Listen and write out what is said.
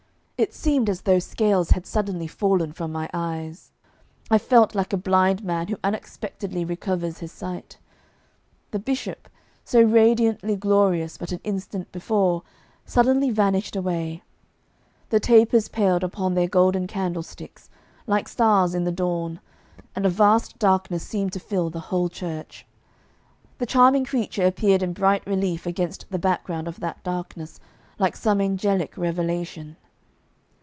It seemed as though scales had suddenly fallen from my eyes. I felt like a blind man who unexpectedly recovers his sight. The bishop, so radiantly glorious but an instant before, suddenly vanished away, the tapers paled upon their golden candlesticks like stars in the dawn, and a vast darkness seemed to fill the whole church. The charming creature appeared in bright relief against the background of that darkness, like some angelic revelation.